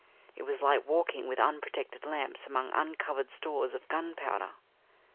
It was like walking with unprotected lamps among uncovered stores of gun powder.